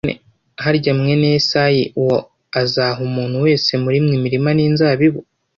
harya mwene Yesayi uwo azaha umuntu wese muri mwe imirima n’inzabibu?